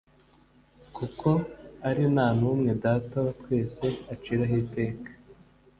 Kuko ari nta numwe Data wa twese aciraho iteka,